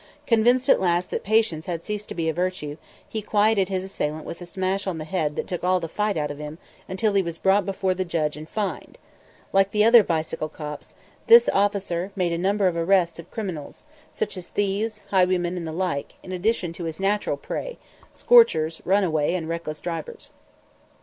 Convinced at last that patience had ceased to be a virtue, he quieted his assailant with a smash on the head that took all the fight out of him until he was brought before the judge and fined. Like the other "bicycle cops," this officer made a number of arrests of criminals, such as thieves, highwaymen, and the like, in addition to his natural prey scorchers, runaways, and reckless drivers.